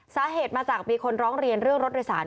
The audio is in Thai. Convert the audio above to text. สาเหตุมาจากมีคนร้องเรียนเรื่องรถโดยสาร